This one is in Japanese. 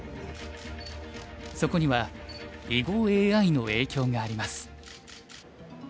そこには囲碁ＡＩの影響があります。